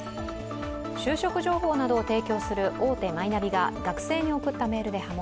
就職情報などを提供する大手、マイナビが学生に送ったメールで波紋。